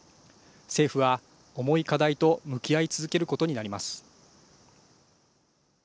政府は重い課題と向き合い続けることになります。